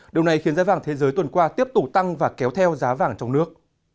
điều này khiến giá vàng thế giới tuần qua tiếp tục tăng và kéo theo giá vàng trong nước